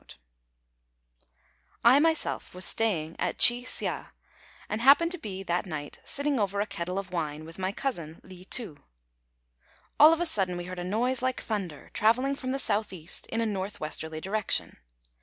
I myself was staying at Chi hsia, and happened to be that night sitting over a kettle of wine with my cousin Li Tu. All of a sudden we heard a noise like thunder, travelling from the south east in a north westerly direction.